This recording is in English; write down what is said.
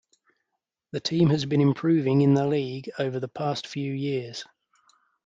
The team has been improving in the League over the past few years.